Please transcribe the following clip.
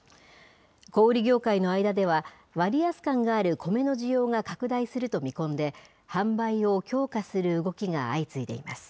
小売り業界の間では、割安感があるコメの需要が拡大すると見込んで、販売を強化する動きが相次いでいます。